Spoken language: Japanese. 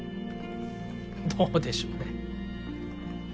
どうでしょうね。